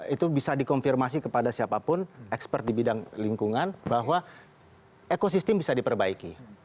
itu bisa dikonfirmasi kepada siapapun expert di bidang lingkungan bahwa ekosistem bisa diperbaiki